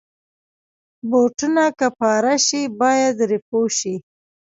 بوټونه که پاره شي، باید رفو شي.